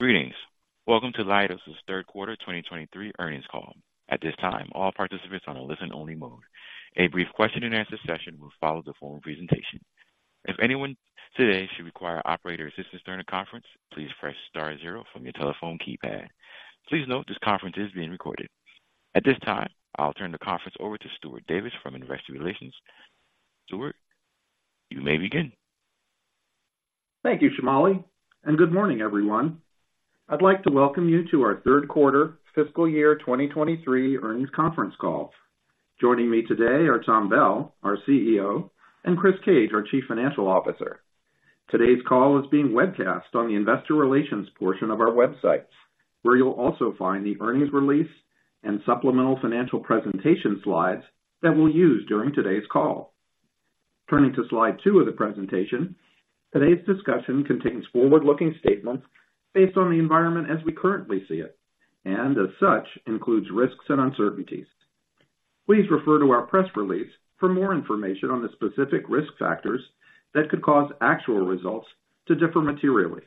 Greetings! Welcome to Leidos' third quarter 2023 earnings call. At this time, all participants are on a listen-only mode. A brief question-and-answer session will follow the formal presentation. If anyone today should require operator assistance during the conference, please press star zero from your telephone keypad. Please note, this conference is being recorded. At this time, I'll turn the conference over to Stuart Davis from Investor Relations. Stuart, you may begin. Thank you, Shamali, and good morning, everyone. I'd like to welcome you to our third quarter fiscal year 2023 earnings conference call. Joining me today are Tom Bell, our CEO, and Chris Cage, our Chief Financial Officer. Today's call is being webcast on the investor relations portion of our websites, where you'll also find the earnings release and supplemental financial presentation slides that we'll use during today's call. Turning to slide two of the presentation, today's discussion contains forward-looking statements based on the environment as we currently see it, and as such, includes risks and uncertainties. Please refer to our press release for more information on the specific risk factors that could cause actual results to differ materially.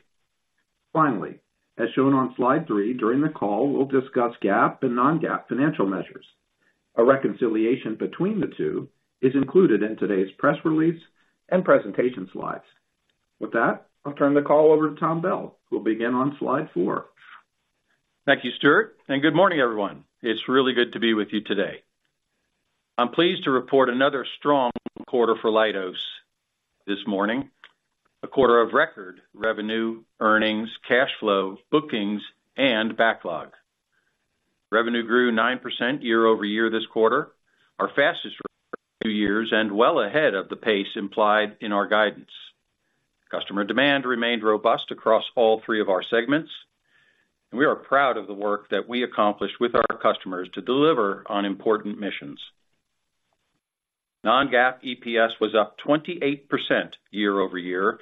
Finally, as shown on slide three, during the call, we'll discuss GAAP and non-GAAP financial measures. A reconciliation between the two is included in today's press release and presentation slides. With that, I'll turn the call over to Tom Bell, who'll begin on slide four. Thank you, Stuart, and good morning, everyone. It's really good to be with you today. I'm pleased to report another strong quarter for Leidos this morning, a quarter of record revenue, earnings, cash flow, bookings, and backlog. Revenue grew 9% year-over-year this quarter, our fastest in two years, and well ahead of the pace implied in our guidance. Customer demand remained robust across all three of our segments, and we are proud of the work that we accomplished with our customers to deliver on important missions. Non-GAAP EPS was up 28% year-over-year,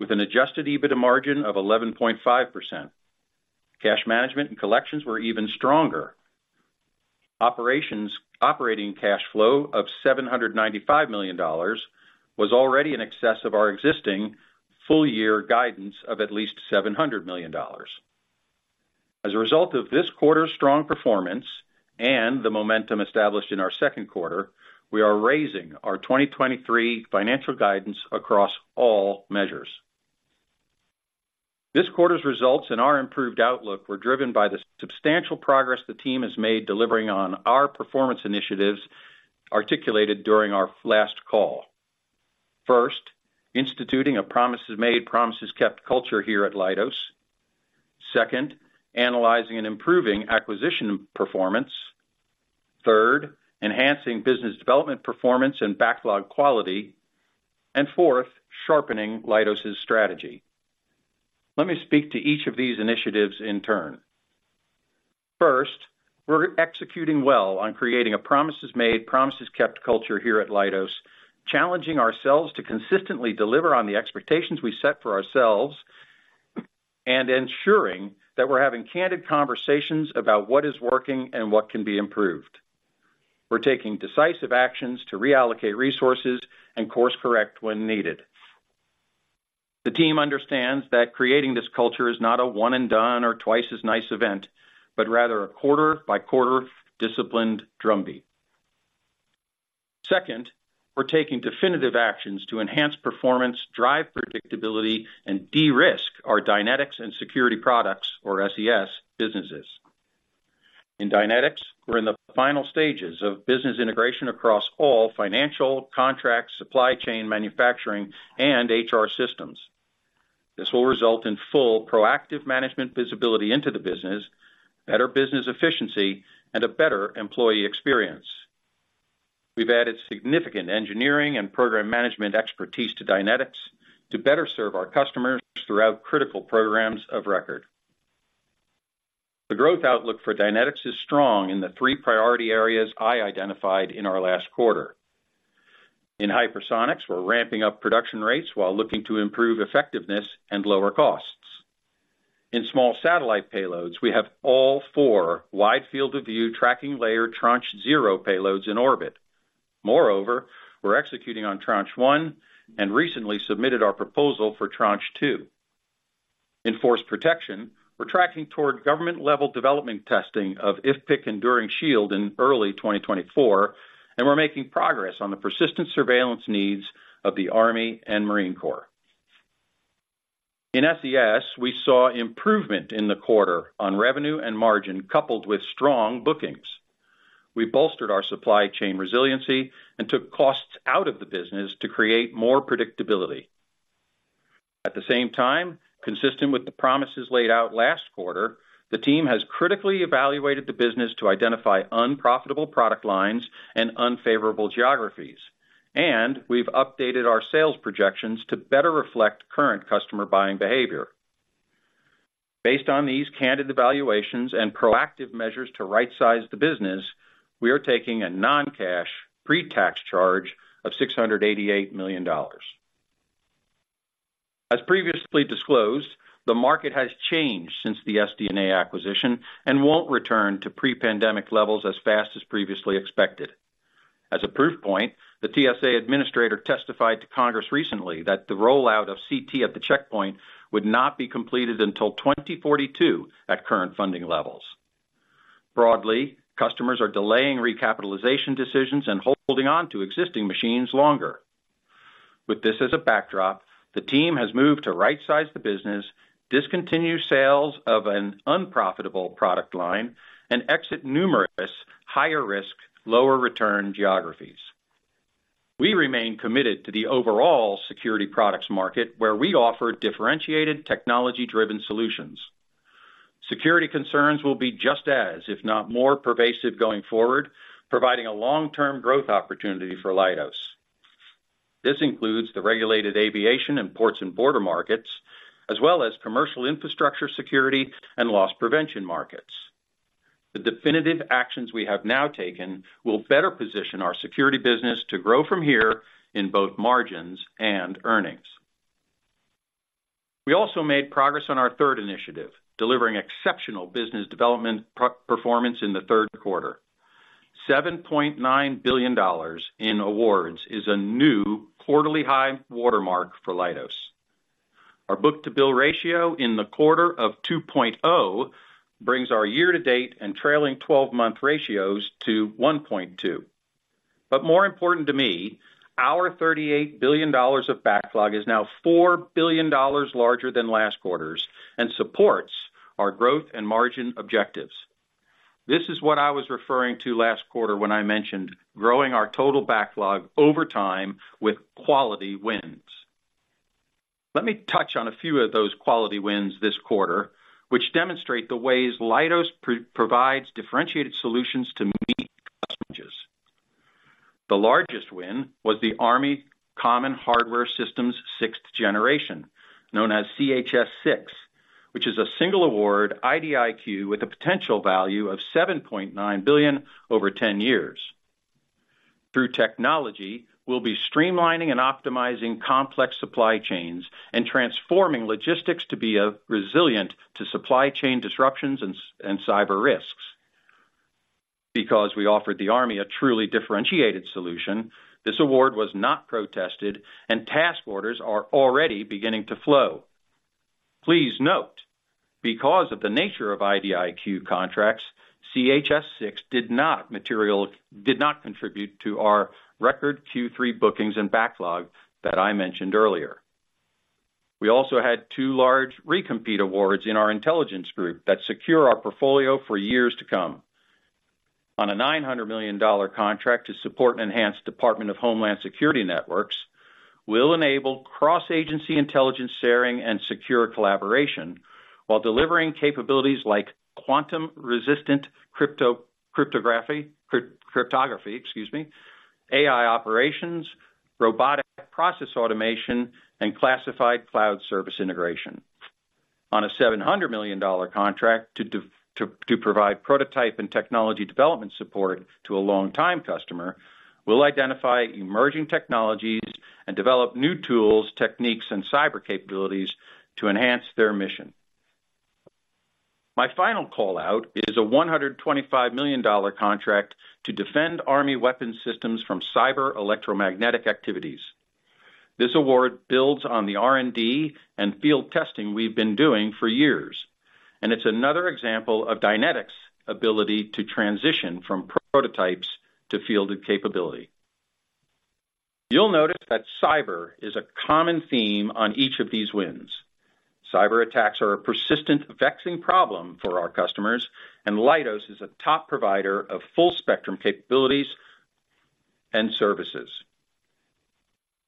with an Adjusted EBITDA margin of 11.5%. Cash management and collections were even stronger. Operating cash flow of $795 million was already in excess of our existing full-year guidance of at least $700 million. As a result of this quarter's strong performance and the momentum established in our second quarter, we are raising our 2023 financial guidance across all measures. This quarter's results and our improved outlook were driven by the substantial progress the team has made delivering on our performance initiatives articulated during our last call. First, instituting a promises made, promises kept culture here at Leidos. Second, analyzing and improving acquisition performance. Third, enhancing business development performance and backlog quality. And fourth, sharpening Leidos' strategy. Let me speak to each of these initiatives in turn. First, we're executing well on creating a promises made, promises kept culture here at Leidos, challenging ourselves to consistently deliver on the expectations we set for ourselves and ensuring that we're having candid conversations about what is working and what can be improved. We're taking decisive actions to reallocate resources and course correct when needed. The team understands that creating this culture is not a one and done or twice as nice event, but rather a quarter-by-quarter disciplined drumbeat. Second, we're taking definitive actions to enhance performance, drive predictability, and de-risk our Dynetics and Security Products or SES businesses. In Dynetics, we're in the final stages of business integration across all financial, contract, supply chain, manufacturing, and HR systems. This will result in full proactive management visibility into the business, better business efficiency, and a better employee experience. We've added significant engineering and program management expertise to Dynetics to better serve our customers throughout critical programs of record. The growth outlook for Dynetics is strong in the three priority areas I identified in our last quarter. In Hypersonics, we're ramping up production rates while looking to improve effectiveness and lower costs. In small satellite payloads, we have all four Wide Field of View Tracking Layer Tranche 0 payloads in orbit. Moreover, we're executing on Tranche 1 and recently submitted our proposal for Tranche 2. In force protection, we're tracking toward government-level development testing of IFPC Enduring Shield in early 2024, and we're making progress on the persistent surveillance needs of the Army and Marine Corps. In SES, we saw improvement in the quarter on revenue and margin, coupled with strong bookings. We bolstered our supply chain resiliency and took costs out of the business to create more predictability. At the same time, consistent with the promises laid out last quarter, the team has critically evaluated the business to identify unprofitable product lines and unfavorable geographies, and we've updated our sales projections to better reflect current customer buying behavior. Based on these candid evaluations and proactive measures to right-size the business, we are taking a non-cash pre-tax charge of $688 million. As previously disclosed, the market has changed since the SD&A acquisition and won't return to pre-pandemic levels as fast as previously expected... As a proof point, the TSA administrator testified to Congress recently that the rollout of CT at the checkpoint would not be completed until 2042 at current funding levels. Broadly, customers are delaying recapitalization decisions and holding on to existing machines longer. With this as a backdrop, the team has moved to right-size the business, discontinue sales of an unprofitable product line, and exit numerous higher-risk, lower-return geographies. We remain committed to the overall security products market, where we offer differentiated, technology-driven solutions. Security concerns will be just as, if not more, pervasive going forward, providing a long-term growth opportunity for Leidos. This includes the regulated aviation and ports and border markets, as well as commercial infrastructure security and loss prevention markets. The definitive actions we have now taken will better position our Security business to grow from here in both margins and earnings. We also made progress on our third initiative, delivering exceptional business development pro- performance in the third quarter. $7.9 billion in awards is a new quarterly high watermark for Leidos. Our book-to-bill ratio in the quarter of 2.0 brings our year-to-date and trailing twelve-month ratios to 1.2. But more important to me, our $38 billion of backlog is now $4 billion larger than last quarter's and supports our growth and margin objectives. This is what I was referring to last quarter when I mentioned growing our total backlog over time with quality wins. Let me touch on a few of those quality wins this quarter, which demonstrate the ways Leidos provides differentiated solutions to meet customer needs. The largest win was the Army Common Hardware Systems 6th Generation, known as CHS-6, which is a single award IDIQ with a potential value of $7.9 billion over 10 years. Through technology, we'll be streamlining and optimizing complex supply chains and transforming logistics to be resilient to supply chain disruptions and cyber risks. Because we offered the Army a truly differentiated solution, this award was not protested, and task orders are already beginning to flow. Please note, because of the nature of IDIQ contracts, CHS-6 did not contribute to our record Q3 bookings and backlog that I mentioned earlier. We also had two large recompete awards in our intelligence group that secure our portfolio for years to come. On a $900 million contract to support and enhance Department of Homeland Security networks, we'll enable cross-agency intelligence sharing and secure collaboration while delivering capabilities like quantum-resistant cryptography, excuse me, AI operations, robotic process automation, and classified cloud service integration. On a $700 million contract to provide prototype and technology development support to a longtime customer, we'll identify emerging technologies and develop new tools, techniques, and cyber capabilities to enhance their mission. My final call-out is a $125 million contract to defend Army Weapon Systems from cyber electromagnetic activities. This award builds on the R&D and field testing we've been doing for years, and it's another example of Dynetics' ability to transition from prototypes to fielded capability. You'll notice that cyber is a common theme on each of these wins. Cyberattacks are a persistent, vexing problem for our customers, and Leidos is a top provider of full-spectrum capabilities and services.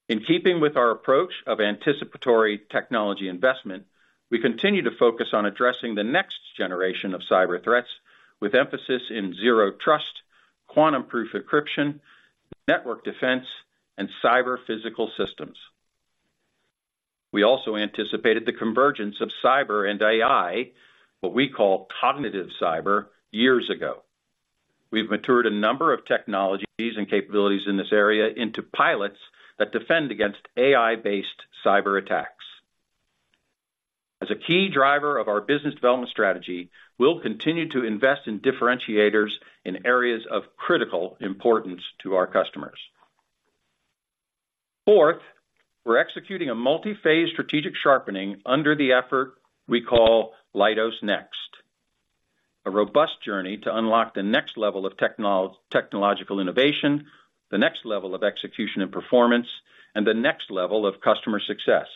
In keeping with our approach of anticipatory technology investment, we continue to focus on addressing the next generation of cyber threats, with emphasis in Zero Trust, quantum-proof encryption, network defense, and cyber-physical systems. We also anticipated the convergence of cyber and AI, what we call Cognitive Cyber, years ago. We've matured a number of technologies and capabilities in this area into pilots that defend against AI-based cyberattacks. As a key driver of our business development strategy, we'll continue to invest in differentiators in areas of critical importance to our customers. Fourth, we're executing a multi-phase strategic sharpening under the effort we call Leidos Next, a robust journey to unlock the next level of technological innovation, the next level of execution and performance, and the next level of customer success.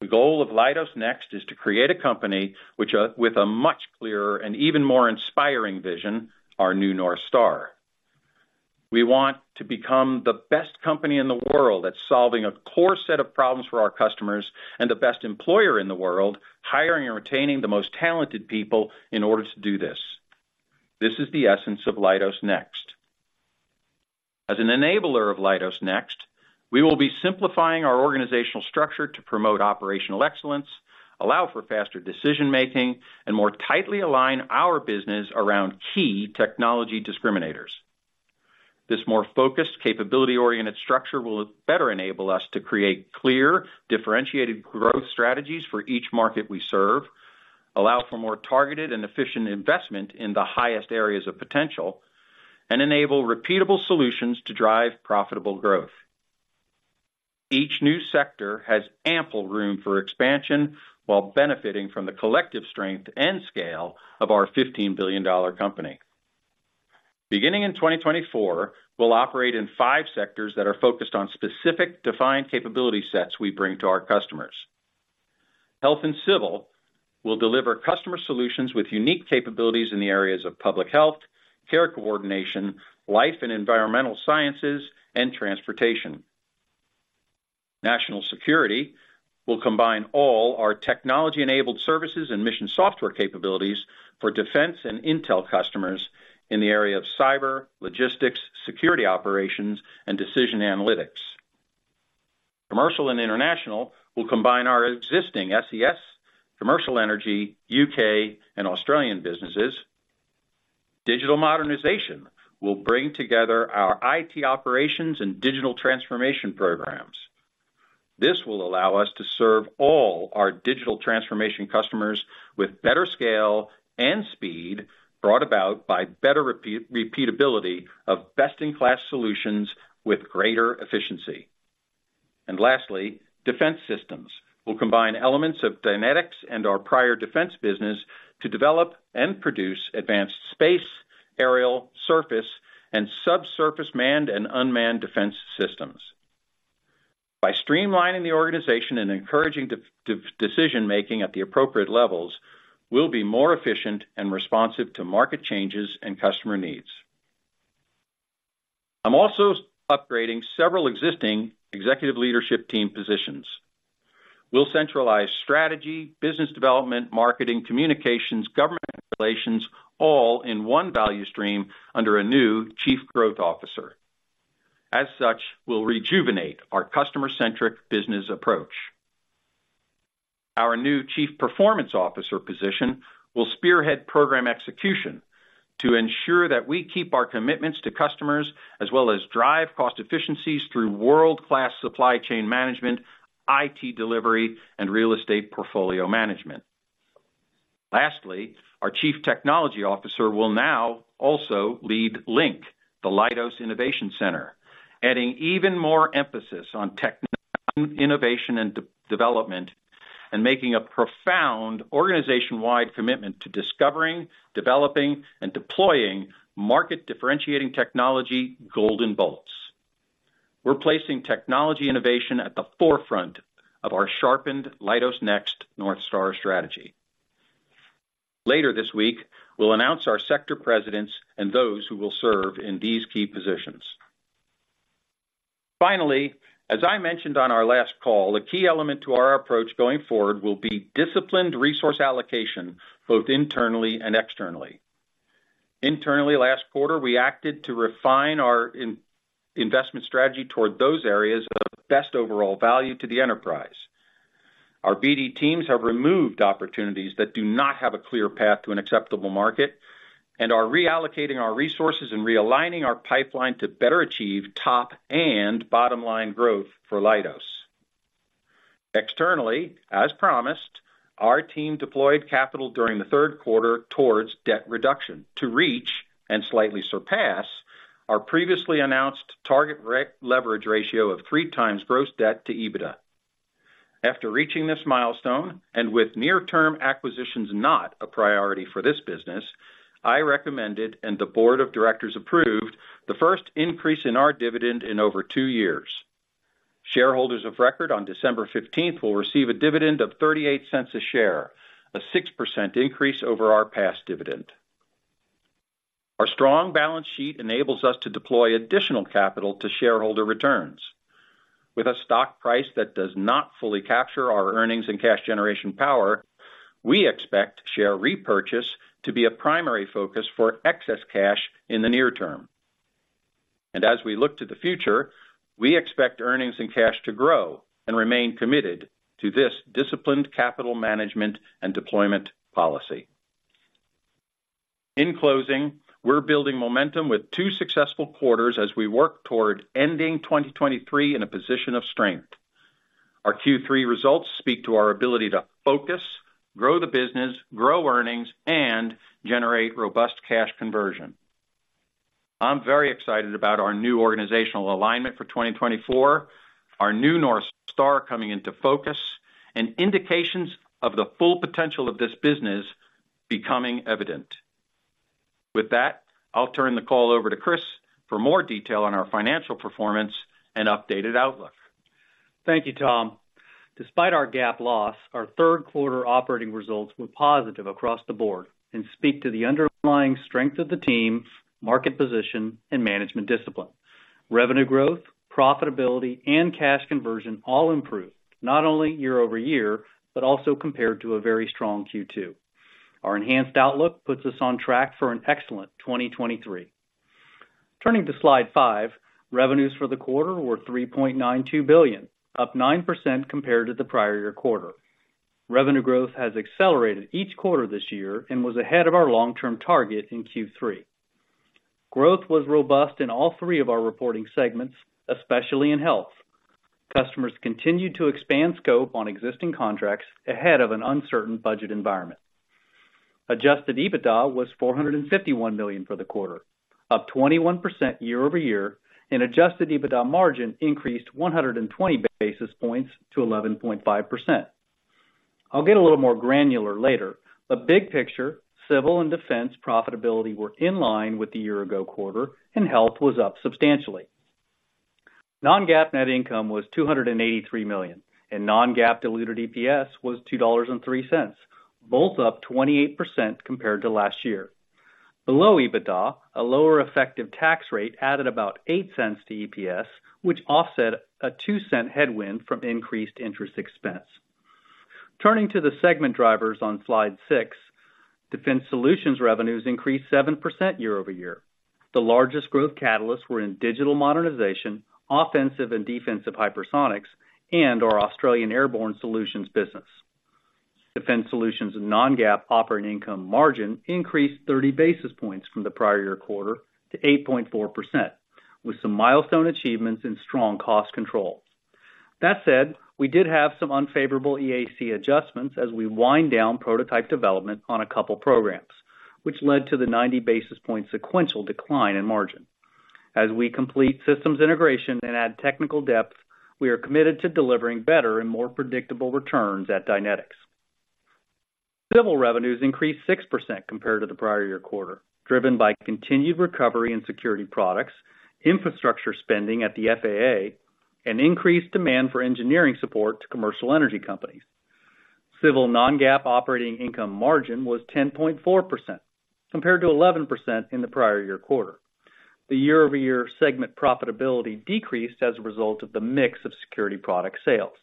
The goal of Leidos Next is to create a company with a much clearer and even more inspiring vision, our new NorthStar. We want to become the best company in the world at solving a core set of problems for our customers, and the best employer in the world, hiring and retaining the most talented people in order to do this. This is the essence of Leidos Next. As an enabler of Leidos Next, we will be simplifying our organizational structure to promote operational excellence, allow for faster decision-making, and more tightly align our business around key technology discriminators. This more focused, capability-oriented structure will better enable us to create clear, differentiated growth strategies for each market we serve, allow for more targeted and efficient investment in the highest areas of potential, and enable repeatable solutions to drive profitable growth. Each new sector has ample room for expansion, while benefiting from the collective strength and scale of our $15 billion company. Beginning in 2024, we'll operate in five sectors that are focused on specific defined capability sets we bring to our customers. Health and Civil will deliver customer solutions with unique capabilities in the areas of public health, care coordination, life and environmental sciences, and transportation. National Security will combine all our technology-enabled services and mission software capabilities for defense and intel customers in the area of cyber, logistics, security operations, and decision analytics. Commercial and International will combine our existing SES, commercial energy, U.K., and Australian businesses. Digital Modernization will bring together our IT operations and digital transformation programs. This will allow us to serve all our digital transformation customers with better scale and speed, brought about by better repeatability of best-in-class solutions with greater efficiency. And lastly, Defense Systems will combine elements of Dynetics and our prior defense business to develop and produce advanced space, aerial, surface, and subsurface manned and unmanned defense systems. By streamlining the organization and encouraging decision-making at the appropriate levels, we'll be more efficient and responsive to market changes and customer needs. I'm also upgrading several existing executive leadership team positions. We'll centralize strategy, business development, marketing, communications, government relations, all in one value stream under a new Chief Growth Officer. As such, we'll rejuvenate our customer-centric business approach. Our new Chief Performance Officer position will spearhead program execution to ensure that we keep our commitments to customers, as well as drive cost efficiencies through world-class supply chain management, IT delivery, and real estate portfolio management. Lastly, our Chief Technology Officer will now also lead LInC, the Leidos Innovation Center, adding even more emphasis on technology, innovation, and R&D, and making a profound organization-wide commitment to discovering, developing, and deploying market-differentiating technology, golden bolts. We're placing technology innovation at the forefront of our sharpened Leidos Next NorthStar strategy. Later this week, we'll announce our sector presidents and those who will serve in these key positions. Finally, as I mentioned on our last call, a key element to our approach going forward will be disciplined resource allocation, both internally and externally. Internally, last quarter, we acted to refine our investment strategy toward those areas of best overall value to the enterprise. Our BD teams have removed opportunities that do not have a clear path to an acceptable market and are reallocating our resources and realigning our pipeline to better achieve top and bottom-line growth for Leidos. Externally, as promised, our team deployed capital during the third quarter towards debt reduction to reach and slightly surpass our previously announced target leverage ratio of 3x gross debt to EBITDA. After reaching this milestone, and with near-term acquisitions not a priority for this business, I recommended, and the board of directors approved, the first increase in our dividend in over two years. Shareholders of record on December 15 will receive a dividend of $0.38 a share, a 6% increase over our past dividend. Our strong balance sheet enables us to deploy additional capital to shareholder returns. With a stock price that does not fully capture our earnings and cash generation power, we expect share repurchase to be a primary focus for excess cash in the near term. As we look to the future, we expect earnings and cash to grow and remain committed to this disciplined capital management and deployment policy. In closing, we're building momentum with two successful quarters as we work toward ending 2023 in a position of strength. Our Q3 results speak to our ability to focus, grow the business, grow earnings, and generate robust cash conversion. I'm very excited about our new organizational alignment for 2024, our new NorthStar coming into focus, and indications of the full potential of this business becoming evident. With that, I'll turn the call over to Chris for more detail on our financial performance and updated outlook. Thank you, Tom. Despite our GAAP loss, our third quarter operating results were positive across the board and speak to the underlying strength of the team, market position, and management discipline. Revenue growth, profitability, and cash conversion all improved, not only year-over-year, but also compared to a very strong Q2. Our enhanced outlook puts us on track for an excellent 2023. Turning to slide five, revenues for the quarter were $3.92 billion, up 9% compared to the prior year quarter. Revenue growth has accelerated each quarter this year and was ahead of our long-term target in Q3. Growth was robust in all three of our reporting segments, especially in health. Customers continued to expand scope on existing contracts ahead of an uncertain budget environment. Adjusted EBITDA was $451 million for the quarter, up 21% year-over-year, and adjusted EBITDA margin increased 120 basis points to 11.5%. I'll get a little more granular later, but big picture, civil and defense profitability were in line with the year ago quarter, and health was up substantially. Non-GAAP net income was $283 million, and non-GAAP diluted EPS was $2.03, both up 28% compared to last year. Below EBITDA, a lower effective tax rate added about $0.08 to EPS, which offset a $0.02 headwind from increased interest expense. Turning to the segment drivers on slide six, Defense Solutions revenues increased 7% year-over-year. The largest growth catalysts were in digital modernization, offensive and defensive hypersonics, and our Australian Airborne Solutions business. Defense Solutions and non-GAAP operating income margin increased 30 basis points from the prior year quarter to 8.4%, with some milestone achievements and strong cost control. That said, we did have some unfavorable EAC adjustments as we wind down prototype development on a couple programs, which led to the 90 basis points sequential decline in margin. As we complete systems integration and add technical depth, we are committed to delivering better and more predictable returns at Dynetics. Civil revenues increased 6% compared to the prior year quarter, driven by continued recovery in security products, infrastructure spending at the FAA, and increased demand for engineering support to commercial energy companies. Civil non-GAAP operating income margin was 10.4%, compared to 11% in the prior year quarter. The year-over-year segment profitability decreased as a result of the mix of security product sales.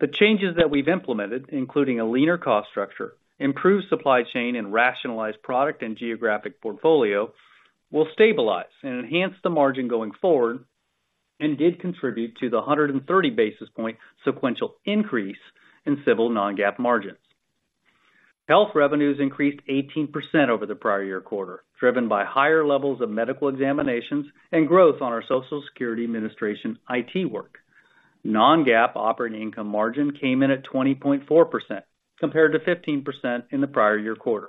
The changes that we've implemented, including a leaner cost structure, improved supply chain, and rationalized product and geographic portfolio, will stabilize and enhance the margin going forward, and did contribute to the 130 basis point sequential increase in civil non-GAAP margins. Health revenues increased 18% over the prior year quarter, driven by higher levels of medical examinations and growth on our Social Security Administration IT work. Non-GAAP operating income margin came in at 20.4%, compared to 15% in the prior year quarter.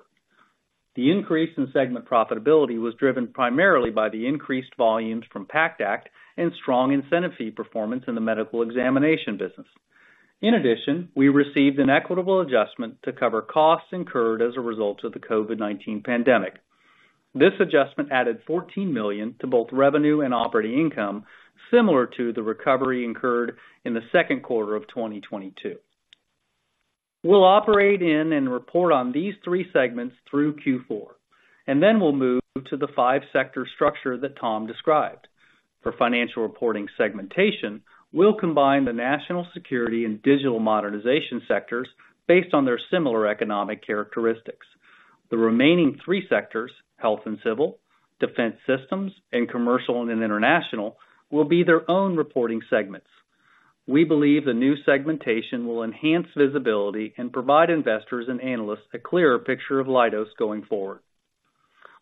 The increase in segment profitability was driven primarily by the increased volumes from PACT Act and strong incentive fee performance in the medical examination business. In addition, we received an equitable adjustment to cover costs incurred as a result of the COVID-19 pandemic. This adjustment added $14 million to both revenue and operating income, similar to the recovery incurred in the second quarter of 2022. We'll operate in and report on these three segments through Q4, and then we'll move to the five-sector structure that Tom described. For financial reporting segmentation, we'll combine the national security and digital modernization sectors based on their similar economic characteristics. The remaining three sectors, health and civil, defense systems, and commercial and international, will be their own reporting segments. We believe the new segmentation will enhance visibility and provide investors and analysts a clearer picture of Leidos going forward.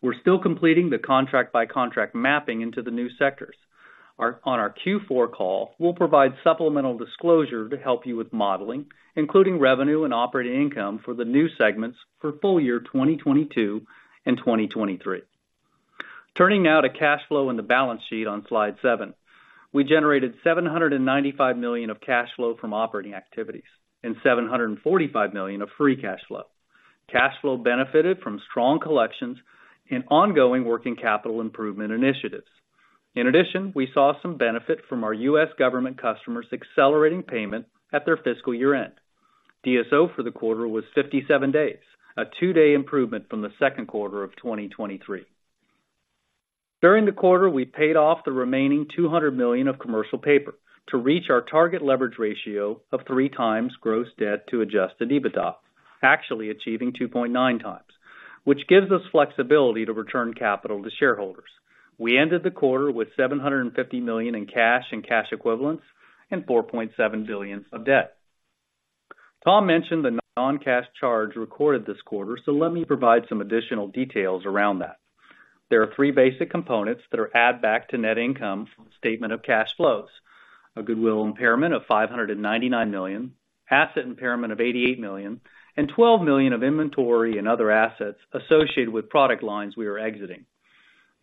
We're still completing the contract-by-contract mapping into the new sectors. On our Q4 call, we'll provide supplemental disclosure to help you with modeling, including revenue and operating income for the new segments for full year 2022 and 2023. Turning now to cash flow and the balance sheet on slide seven. We generated $795 million of cash flow from operating activities and $745 million of free cash flow. Cash flow benefited from strong collections and ongoing working capital improvement initiatives. In addition, we saw some benefit from our U.S. government customers accelerating payment at their fiscal year-end. DSO for the quarter was 57 days, a two-day improvement from the second quarter of 2023. During the quarter, we paid off the remaining $200 million of commercial paper to reach our target leverage ratio of 3x gross debt to Adjusted EBITDA, actually achieving 2.9x, which gives us flexibility to return capital to shareholders. We ended the quarter with $750 million in cash and cash equivalents and $4.7 billion of debt. Tom mentioned the non-cash charge recorded this quarter, so let me provide some additional details around that. There are three basic components that are add back to net income from the statement of cash flows. A goodwill impairment of $599 million, asset impairment of $88 million, and $12 million of inventory and other assets associated with product lines we are exiting.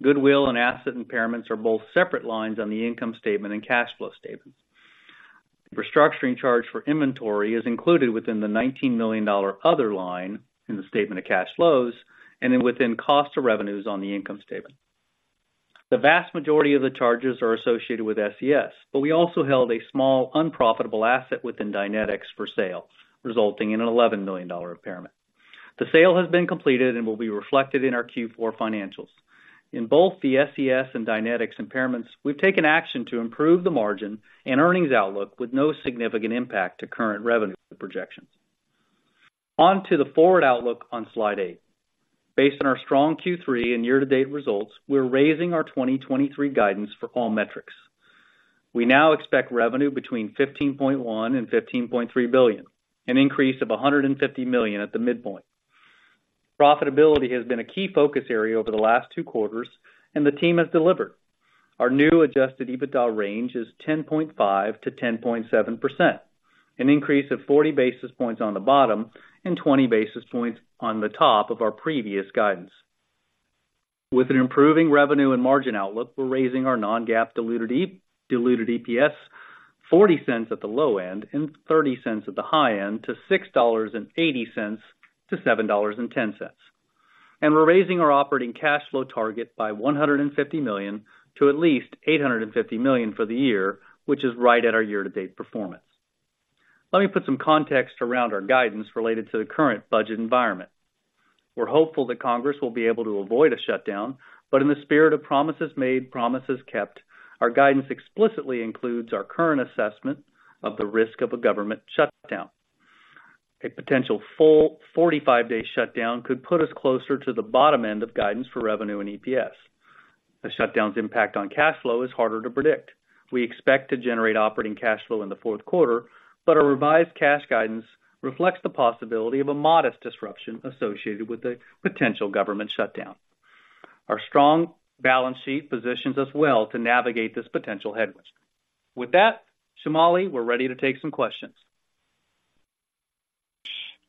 Goodwill and asset impairments are both separate lines on the income statement and cash flow statements. Restructuring charge for inventory is included within the $19 million other line in the statement of cash flows, and then within cost of revenues on the income statement. The vast majority of the charges are associated with SES, but we also held a small, unprofitable asset within Dynetics for sale, resulting in an $11 million impairment. The sale has been completed and will be reflected in our Q4 financials. In both the SES and Dynetics impairments, we've taken action to improve the margin and earnings outlook with no significant impact to current revenue projections. On to the forward outlook on slide eight. Based on our strong Q3 and year-to-date results, we're raising our 2023 guidance for all metrics. We now expect revenue between $15.1 billion-$15.3 billion, an increase of $150 million at the midpoint. Profitability has been a key focus area over the last two quarters, and the team has delivered. Our new adjusted EBITDA range is 10.5%-10.7%, an increase of 40 basis points on the bottom and 20 basis points on the top of our previous guidance. With an improving revenue and margin outlook, we're raising our non-GAAP diluted EPS $0.40 at the low end and $0.30 at the high end to $6.80-$7.10. And we're raising our operating cash flow target by $150 million to at least $850 million for the year, which is right at our year-to-date performance. Let me put some context around our guidance related to the current budget environment. We're hopeful that Congress will be able to avoid a shutdown, but in the spirit of promises made, promises kept, our guidance explicitly includes our current assessment of the risk of a government shutdown. A potential full 45-day shutdown could put us closer to the bottom end of guidance for revenue and EPS. A shutdown's impact on cash flow is harder to predict. We expect to generate operating cash flow in the fourth quarter, but our revised cash guidance reflects the possibility of a modest disruption associated with the potential government shutdown. Our strong balance sheet positions us well to navigate this potential headwind. With that, Shamali, we're ready to take some questions.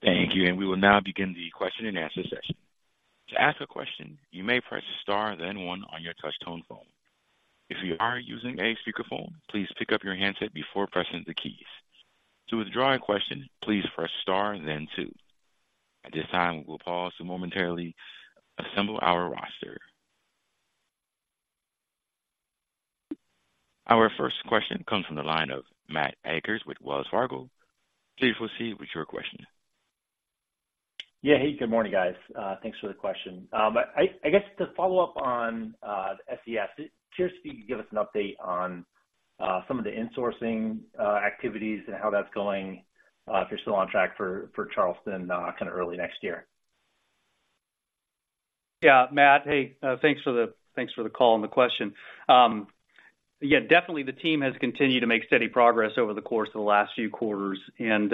Thank you, and we will now begin the question-and-answer session. To ask a question, you may press star, then one on your touch tone phone. If you are using a speakerphone, please pick up your handset before pressing the keys. To withdraw a question, please press star, then two. At this time, we will pause to momentarily assemble our roster. Our first question comes from the line of Matt Akers with Wells Fargo. Please proceed with your question. Yeah. Hey, good morning, guys. Thanks for the question. I guess to follow up on SES, curious if you could give us an update on some of the insourcing activities and how that's going, if you're still on track for Charleston, kind of early next year. Yeah, Matt, hey, thanks for the call and the question. Yeah, definitely the team has continued to make steady progress over the course of the last few quarters, and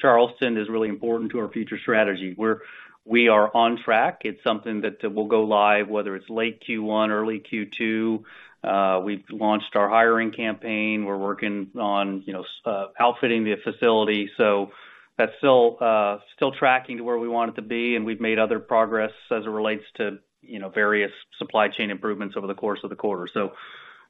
Charleston is really important to our future strategy. We are on track. It's something that will go live, whether it's late Q1, early Q2. We've launched our hiring campaign. We're working on, you know, outfitting the facility. So that's still tracking to where we want it to be, and we've made other progress as it relates to, you know, various supply chain improvements over the course of the quarter. So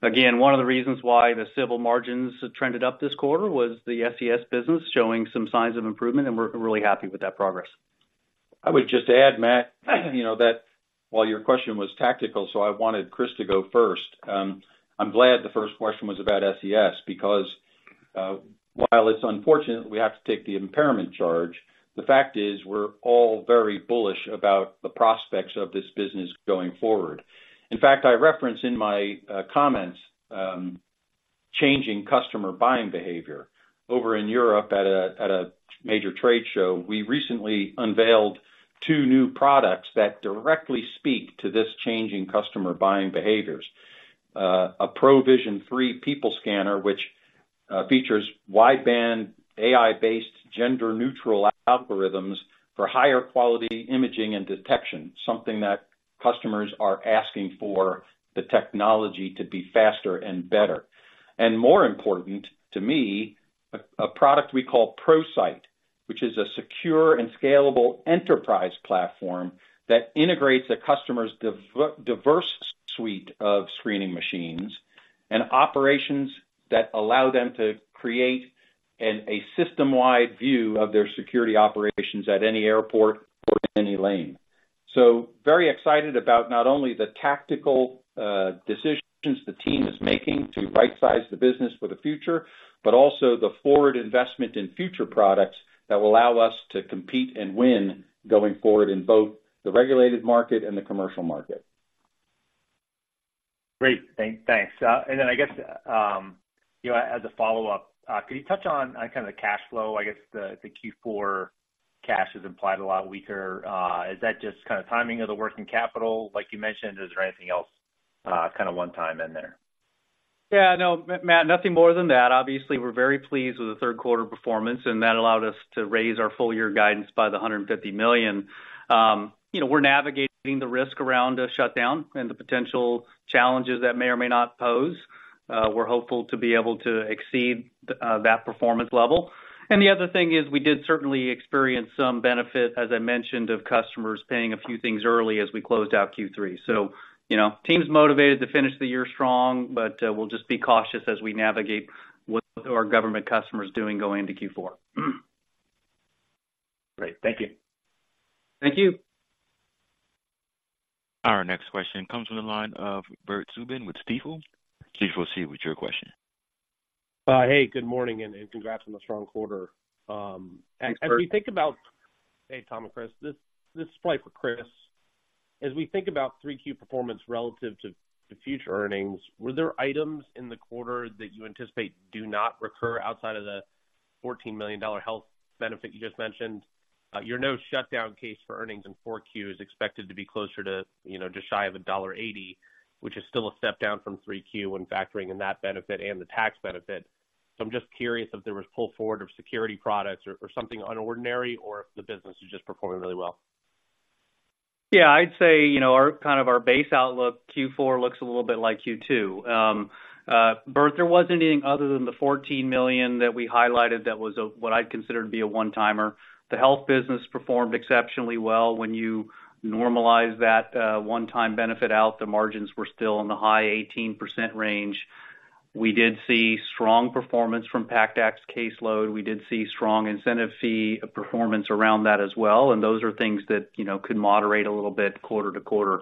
again, one of the reasons why the civil margins trended up this quarter was the SES business showing some signs of improvement, and we're really happy with that progress. I would just add, Matt, you know, that while your question was tactical, so I wanted Chris to go first. I'm glad the first question was about SES, because, while it's unfortunate we have to take the impairment charge, the fact is, we're all very bullish about the prospects of this business going forward. In fact, I referenced in my comments, changing customer buying behavior. Over in Europe, at a major trade show, we recently unveiled two new products that directly speak to this changing customer buying behaviors. A ProVision 3 people scanner, which features wideband AI-based, gender-neutral algorithms for higher quality imaging and detection, something that customers are asking for the technology to be faster and better. More important to me, a product we call ProSight, which is a secure and scalable enterprise platform that integrates a customer's diverse suite of screening machines and operations that allow them to create a system-wide view of their security operations at any airport or in any lane. So very excited about not only the tactical decisions the team is making to rightsize the business for the future, but also the forward investment in future products that will allow us to compete and win going forward in both the regulated market and the commercial market. Great, thanks. And then I guess, you know, as a follow-up, could you touch on kind of the cash flow? I guess the Q4 cash is implied a lot weaker. Is that just kind of timing of the working capital, like you mentioned, or is there anything else kind of one-time in there? Yeah, no, Matt, nothing more than that. Obviously, we're very pleased with the third quarter performance, and that allowed us to raise our full year guidance by $150 million. You know, we're navigating the risk around a shutdown and the potential challenges that may or may not pose. We're hopeful to be able to exceed that performance level. And the other thing is, we did certainly experience some benefit, as I mentioned, of customers paying a few things early as we closed out Q3. So, you know, team's motivated to finish the year strong, but we'll just be cautious as we navigate what our government customers doing going into Q4. Great. Thank you. Thank you. Our next question comes from the line of Bert Subin with Stifel. Please proceed with your question. Hey, good morning, and congrats on the strong quarter. Thanks, Bert. Hey, Tom and Chris, this is probably for Chris. As we think about 3Q performance relative to future earnings, were there items in the quarter that you anticipate do not recur outside of the $14 million health benefit you just mentioned? Your no shutdown case for earnings in 4Q is expected to be closer to, you know, just shy of $1.80, which is still a step down from 3Q when factoring in that benefit and the tax benefit. So I'm just curious if there was pull forward of security products or something unordinary, or if the business is just performing really well? Yeah, I'd say, you know, our kind of base outlook, Q4 looks a little bit like Q2. Bert, there wasn't anything other than the $14 million that we highlighted that was of, what I'd consider to be a one-timer. The health business performed exceptionally well. When you normalize that, one-time benefit out, the margins were still in the high 18% range. We did see strong performance from PACT Act's caseload. We did see strong incentive fee performance around that as well, and those are things that, you know, could moderate a little bit quarter to quarter.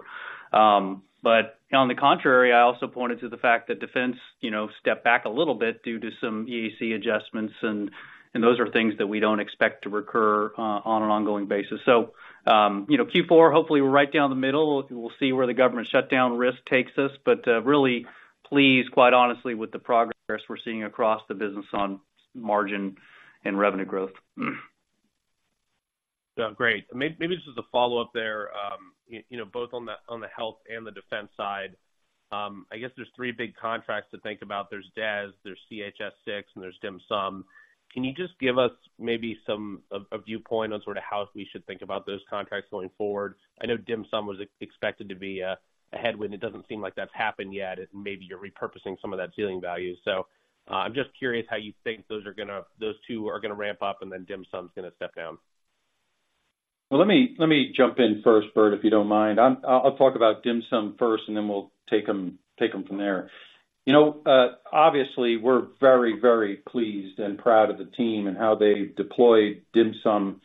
But on the contrary, I also pointed to the fact that defense, you know, stepped back a little bit due to some EAC adjustments, and those are things that we don't expect to recur, on an ongoing basis. So, you know, Q4, hopefully, we're right down the middle. We'll see where the government shutdown risk takes us, but, really pleased, quite honestly, with the progress we're seeing across the business on margin and revenue growth. Yeah, great. Maybe just as a follow-up there, you know, both on the health and the defense side, I guess there's three big contracts to think about. There's DES, there's CHS-6, and there's DHMSM. Can you just give us maybe some a viewpoint on sort of how we should think about those contracts going forward? I know DHMSM was expected to be a headwind. It doesn't seem like that's happened yet, and maybe you're repurposing some of that ceiling value. So, I'm just curious how you think those two are gonna ramp up, and then DHMSM's gonna step down. Well, let me, let me jump in first, Bert, if you don't mind. I'm- I'll, I'll talk about DHMSM first, and then we'll take them, take them from there. You know, obviously, we're very, very pleased and proud of the team and how they deployed DHMSM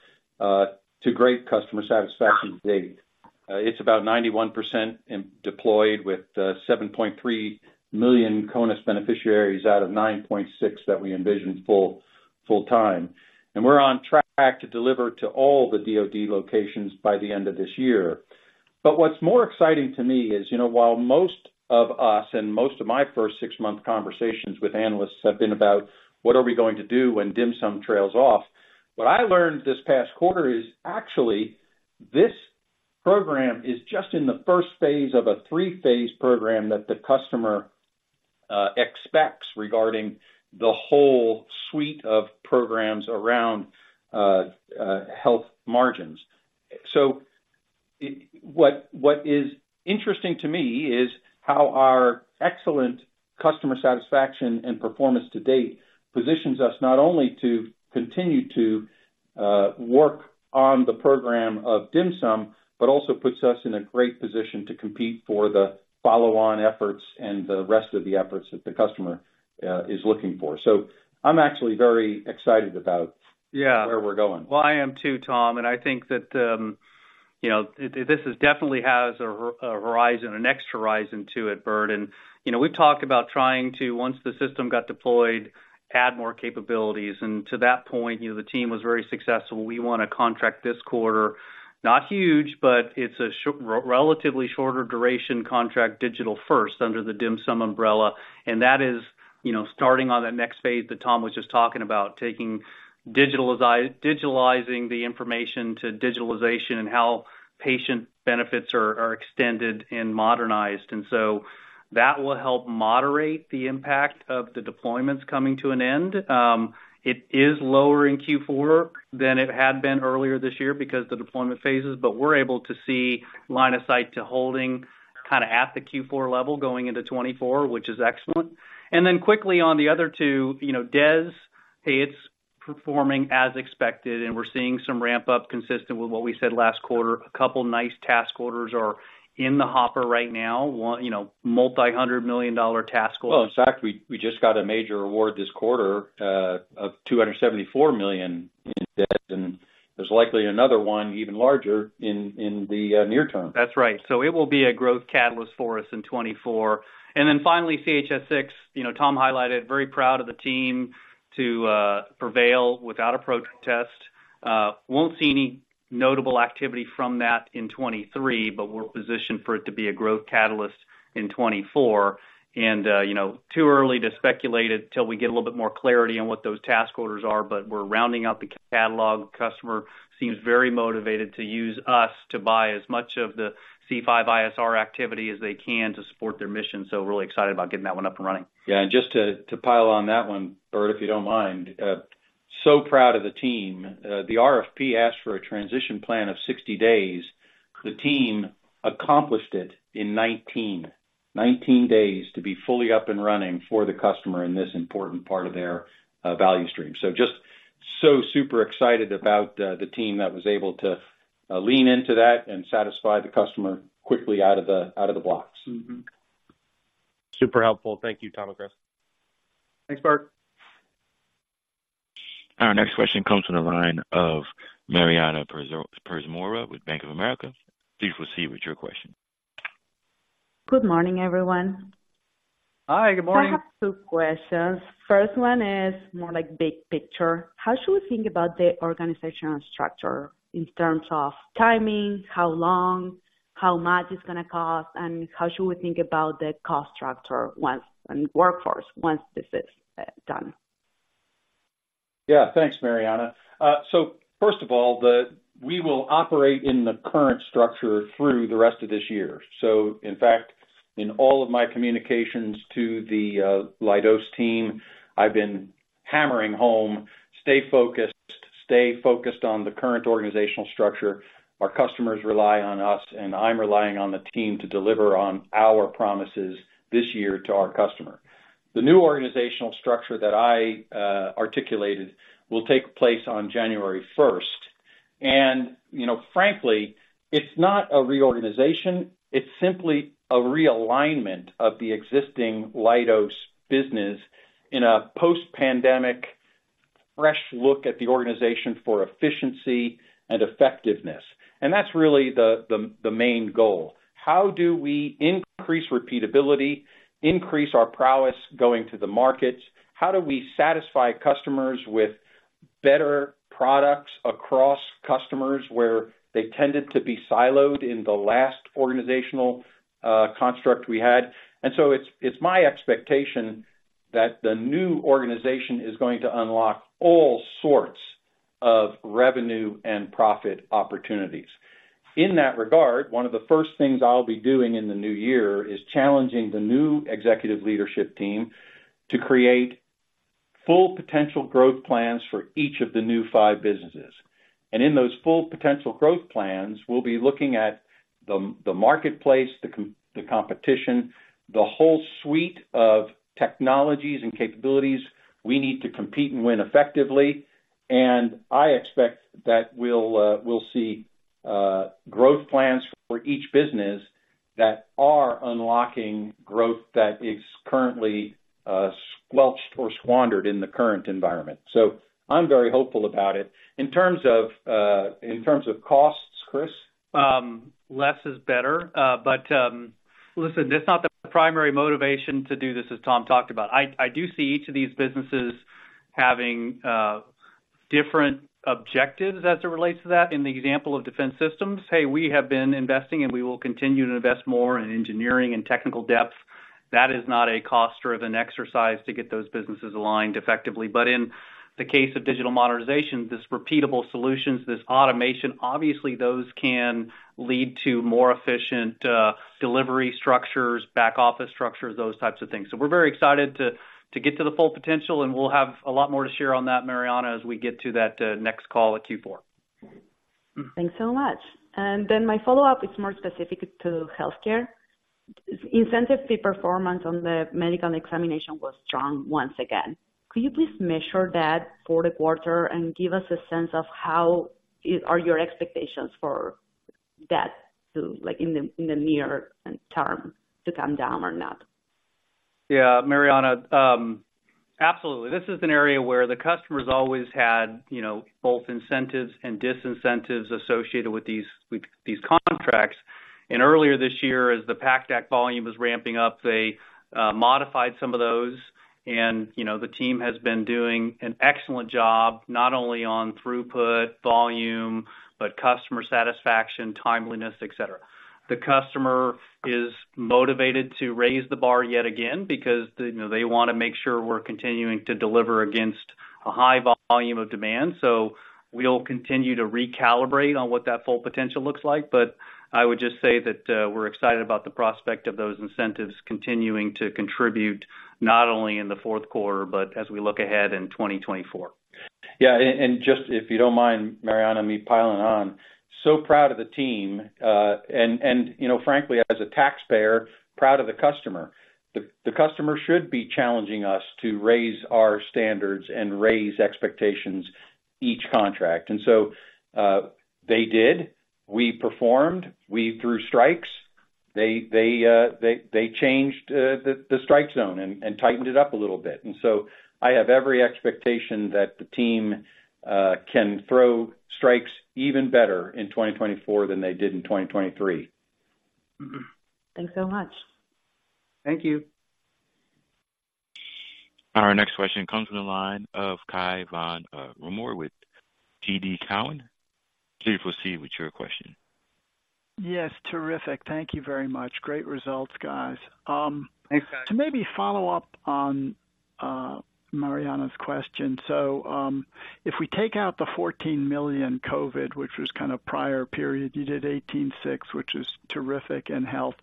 to great customer satisfaction to date. It's about 91% deployed with 7.3 million CONUS beneficiaries out of 9.6 that we envision full, full time. And we're on track to deliver to all the DoD locations by the end of this year. But what's more exciting to me is, you know, while most of us and most of my first six-month conversations with analysts have been about what are we going to do when DHMSM trails off? What I learned this past quarter is actually, this program is just in the first phase of a three-phase program that the customer expects regarding the whole suite of programs around health margins. So what is interesting to me is how our excellent customer satisfaction and performance to date positions us not only to continue to work on the program of DHMSM, but also puts us in a great position to compete for the follow-on efforts and the rest of the efforts that the customer is looking for. So I'm actually very excited about- Yeah where we're going. Well, I am too, Tom, and I think that, you know, this is definitely has a horizon, a next horizon to it, Bert. And, you know, we've talked about trying to, once the system got deployed, add more capabilities. And to that point, you know, the team was very successful. We won a contract this quarter, not huge, but it's a relatively shorter duration contract, digital first, under the DHMSM umbrella. And that is, you know, starting on that Next phase that Tom was just talking about, taking digitalizing the information to digitalization and how patient benefits are extended and modernized. And so that will help moderate the impact of the deployments coming to an end. It is lower in Q4 than it had been earlier this year because the deployment phases, but we're able to see line of sight to holding kind of at the Q4 level, going into 2024, which is excellent. And then quickly on the other two, you know, DES, it's performing as expected, and we're seeing some ramp up consistent with what we said last quarter. A couple of nice task orders are in the hopper right now, one, you know, $multi-hundred million task orders. Well, in fact, we just got a major award this quarter of $274 million in DES, and there's likely another one, even larger, in the near term. That's right. So it will be a growth catalyst for us in 2024. And then finally, CHS-6. You know, Tom highlighted, very proud of the team to prevail without a protest. Won't see any notable activity from that in 2023, but we're positioned for it to be a growth catalyst in 2024. And, you know, too early to speculate it till we get a little bit more clarity on what those task orders are, but we're rounding out the catalog. Customer seems very motivated to use us to buy as much of the C5ISR activity as they can to support their mission. So we're really excited about getting that one up and running. Yeah, and just to pile on that one, Bert, if you don't mind. So proud of the team. The RFP asked for a transition plan of 60 days. The team accomplished it in 19. 19 days to be fully up and running for the customer in this important part of their value stream. So just so super excited about the team that was able to lean into that and satisfy the customer quickly out of the blocks. Mm-hmm. Super helpful. Thank you, Tom and Chris. Thanks, Bert. Our next question comes from the line of Mariana Pérez Mora with Bank of America. Please proceed with your question. Good morning, everyone. Hi, good morning. I have two questions. First one is more like big picture. How should we think about the organizational structure in terms of timing, how long, how much it's gonna cost, and how should we think about the cost structure once and workforce once this is done? ... Yeah, thanks, Mariana. So first of all, we will operate in the current structure through the rest of this year. So in fact, in all of my communications to the Leidos team, I've been hammering home, stay focused, stay focused on the current organizational structure. Our customers rely on us, and I'm relying on the team to deliver on our promises this year to our customer. The new organizational structure that I articulated will take place on January 1st. And, you know, frankly, it's not a reorganization, it's simply a realignment of the existing Leidos business in a post-pandemic, fresh look at the organization for efficiency and effectiveness. And that's really the main goal. How do we increase repeatability, increase our prowess going to the markets? How do we satisfy customers with better products across customers, where they tended to be siloed in the last organizational construct we had? And so it's my expectation that the new organization is going to unlock all sorts of revenue and profit opportunities. In that regard, one of the first things I'll be doing in the new year is challenging the new executive leadership team to create full potential growth plans for each of the new five businesses. And in those full potential growth plans, we'll be looking at the marketplace, the competition, the whole suite of technologies and capabilities we need to compete and win effectively. And I expect that we'll see growth plans for each business that are unlocking growth that is currently squelched or squandered in the current environment. So I'm very hopeful about it. In terms of, in terms of costs, Chris? Less is better. But, listen, that's not the primary motivation to do this, as Tom talked about. I do see each of these businesses having different objectives as it relates to that. In the example of defense systems, hey, we have been investing, and we will continue to invest more in engineering and technical depth. That is not a cost-driven exercise to get those businesses aligned effectively. But in the case of digital modernization, this repeatable solutions, this automation, obviously, those can lead to more efficient delivery structures, back office structures, those types of things. So we're very excited to get to the full potential, and we'll have a lot more to share on that, Mariana, as we get to that next call at Q4. Thanks so much. My follow-up is more specific to healthcare. Incentive fee performance on the medical examination was strong once again. Could you please measure that for the quarter and give us a sense of how are your expectations for that to, like, in the near term, come down or not? Yeah, Mariana, absolutely. This is an area where the customers always had, you know, both incentives and disincentives associated with these, with these contracts. And earlier this year, as the PACT Act volume was ramping up, they modified some of those, and, you know, the team has been doing an excellent job, not only on throughput, volume, but customer satisfaction, timeliness, et cetera. The customer is motivated to raise the bar yet again because, you know, they want to make sure we're continuing to deliver against a high volume of demand. So we'll continue to recalibrate on what that full potential looks like, but I would just say that, we're excited about the prospect of those incentives continuing to contribute, not only in the fourth quarter, but as we look ahead in 2024. Yeah, and just if you don't mind, Mariana, me piling on, so proud of the team, and, you know, frankly, as a taxpayer, proud of the customer. The customer should be challenging us to raise our standards and raise expectations each contract. And so, they did. We performed, we threw strikes. They changed the strike zone and tightened it up a little bit. And so I have every expectation that the team can throw strikes even better in 2024 than they did in 2023. Thanks so much. Thank you. Our next question comes from the line of Cai von Rumohr with TD Cowen. Please proceed with your question. Yes, terrific. Thank you very much. Great results, guys. Thanks, Cai. To maybe follow up on Mariana's question: so, if we take out the $14 million COVID, which was kind of prior period, you did 18.6, which is terrific in health.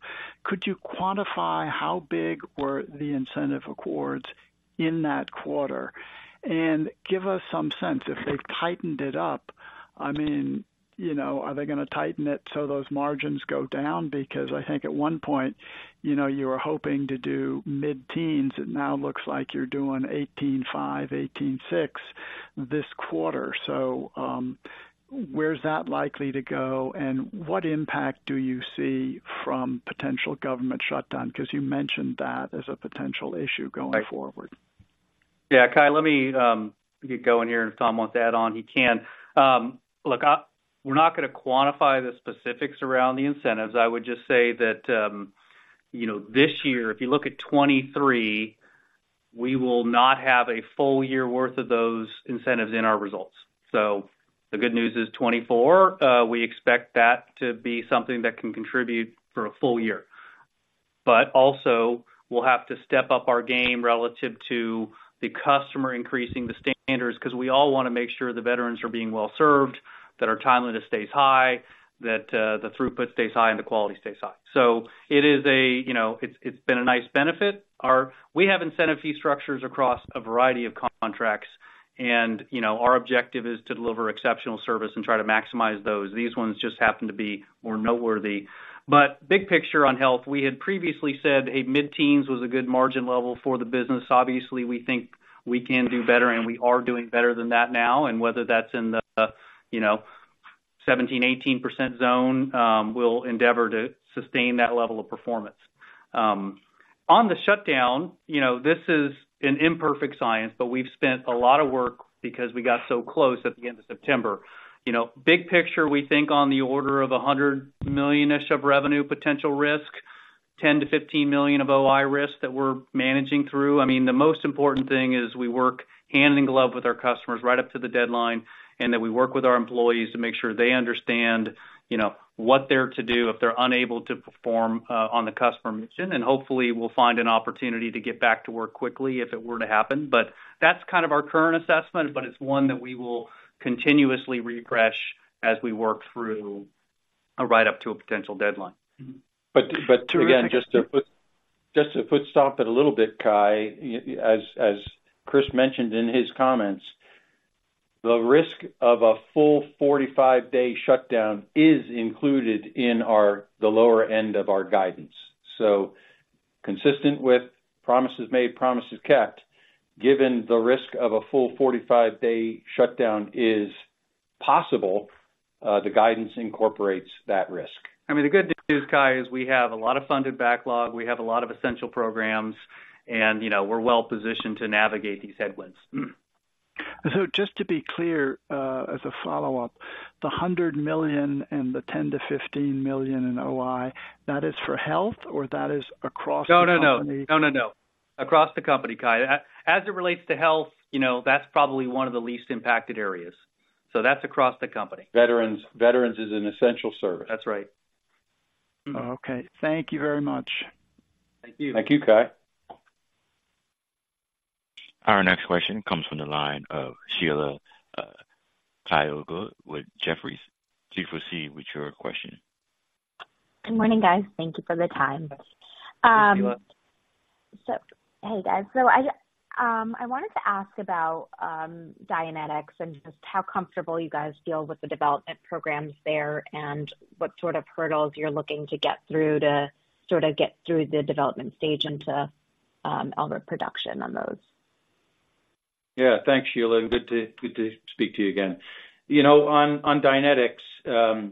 Could you quantify how big were the incentive accruals in that quarter? And give us some sense, if they've tightened it up, I mean, you know, are they gonna tighten it so those margins go down? Because I think at one point, you know, you were hoping to do mid-teens, it now looks like you're doing 18.5, 18.6 this quarter. So, where's that likely to go, and what impact do you see from potential government shutdown? Because you mentioned that as a potential issue going forward. Yeah, Cai, let me go in here, and if Tom want to add on, he can. Look, we're not gonna quantify the specifics around the incentives. I would just say that, you know, this year, if you look at 2023, we will not have a full year worth of those incentives in our results. So the good news is 2024, we expect that to be something that can contribute for a full year... but also we'll have to step up our game relative to the customer increasing the standards, because we all want to make sure the veterans are being well served, that our timeliness stays high, that the throughput stays high, and the quality stays high. So it is a, you know, it's, it's been a nice benefit. Our-- we have incentive fee structures across a variety of contracts, and, you know, our objective is to deliver exceptional service and try to maximize those. These ones just happen to be more noteworthy. But big picture on health, we had previously said a mid-teens was a good margin level for the business. Obviously, we think we can do better, and we are doing better than that now. And whether that's in the, you know, 17%, 18% zone, we'll endeavor to sustain that level of performance. On the shutdown, you know, this is an imperfect science, but we've spent a lot of work because we got so close at the end of September. You know, big picture, we think on the order of $100 million-ish of revenue, potential risk, $10 million-$15 million of OI risk that we're managing through. I mean, the most important thing is we work hand in glove with our customers right up to the deadline, and that we work with our employees to make sure they understand, you know, what they're to do if they're unable to perform on the customer mission. And hopefully, we'll find an opportunity to get back to work quickly if it were to happen. But that's kind of our current assessment, but it's one that we will continuously refresh as we work through right up to a potential deadline. But again, just to foot stomp it a little bit, Cai, as Chris mentioned in his comments, the risk of a full 45-day shutdown is included in our, the lower end of our guidance. So consistent with promises made, promises kept, given the risk of a full 45-day shutdown is possible, the guidance incorporates that risk. I mean, the good news, Cai, is we have a lot of funded backlog, we have a lot of essential programs, and, you know, we're well positioned to navigate these headwinds. So just to be clear, as a follow-up, the $100 million and the $10 million-$15 million in OI, that is for health or that is across the company? No, no, no. No, no, no. Across the company, Cai. As it relates to health, you know, that's probably one of the least impacted areas. So that's across the company. Veterans is an essential service. That's right. Okay. Thank you very much. Thank you. Thank you, Cai. Our next question comes from the line of Sheila Kahyaoglu with Jefferies. Please proceed with your question. Good morning, guys. Thank you for the time. Hey, Sheila. So hey, guys. I wanted to ask about Dynetics and just how comfortable you guys feel with the development programs there, and what sort of hurdles you're looking to get through to sort of get through the development stage into low-rate production on those? Yeah. Thanks, Sheila. Good to speak to you again. You know, on Dynetics,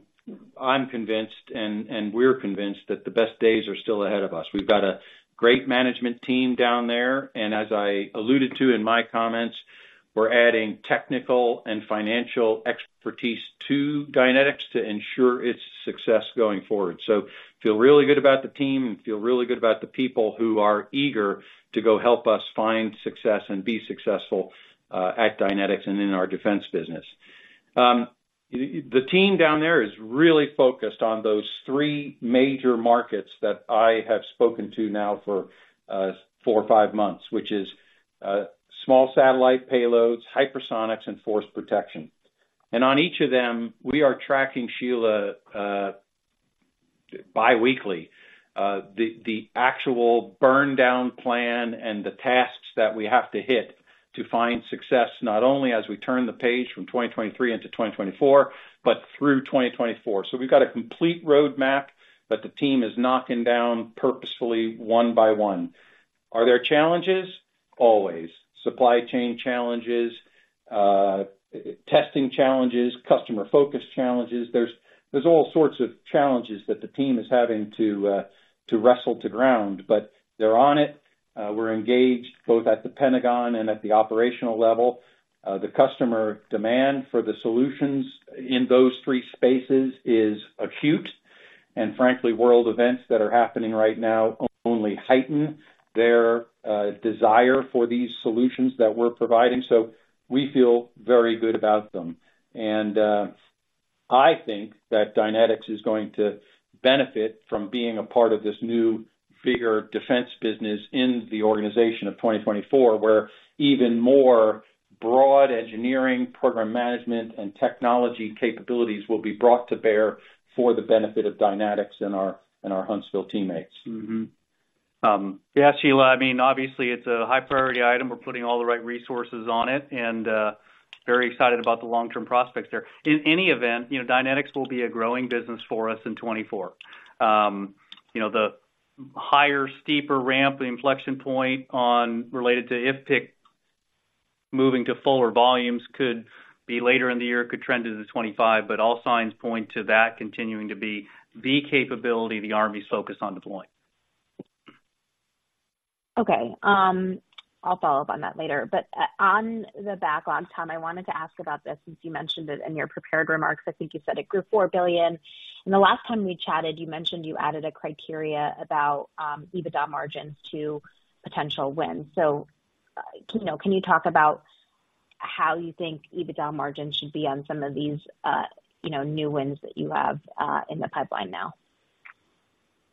I'm convinced and we're convinced that the best days are still ahead of us. We've got a great management team down there, and as I alluded to in my comments, we're adding technical and financial expertise to Dynetics to ensure its success going forward. So feel really good about the team, and feel really good about the people who are eager to go help us find success and be successful at Dynetics and in our defense business. The team down there is really focused on those three major markets that I have spoken to now for four or five months, which is small satellite payloads, hypersonics, and force protection. On each of them, we are tracking, Sheila, biweekly, the actual burn down plan and the tasks that we have to hit to find success, not only as we turn the page from 2023 into 2024, but through 2024. We've got a complete roadmap that the team is knocking down purposefully one by one. Are there challenges? Always. Supply chain challenges, testing challenges, customer focus challenges. There's all sorts of challenges that the team is having to wrestle to ground, but they're on it. We're engaged both at the Pentagon and at the operational level. The customer demand for the solutions in those three spaces is acute, and frankly, world events that are happening right now only heighten their desire for these solutions that we're providing. We feel very good about them. I think that Dynetics is going to benefit from being a part of this new, bigger defense business in the organization of 2024, where even more broad engineering, program management, and technology capabilities will be brought to bear for the benefit of Dynetics and our, and our Huntsville teammates. Yeah, Sheila, I mean, obviously it's a high priority item. We're putting all the right resources on it, and very excited about the long-term prospects there. In any event, you know, Dynetics will be a growing business for us in 2024. You know, the higher, steeper ramp, the inflection point on related to IFPC, moving to fuller volumes could be later in the year, could trend into 2025, but all signs point to that continuing to be the capability the Army is focused on deploying. Okay. I'll follow up on that later. But, on the backlog, Tom, I wanted to ask about this, since you mentioned it in your prepared remarks. I think you said it grew $4 billion. And the last time we chatted, you mentioned you added a criteria about, EBITDA margins to potential wins. So, you know, can you talk about how you think EBITDA margin should be on some of these, you know, new wins that you have, in the pipeline now?